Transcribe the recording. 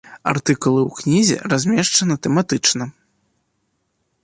Артыкулы ў кнізе размешчаны тэматычна.